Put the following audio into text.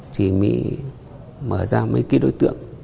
chỉ mới mở ra mấy ký đối tượng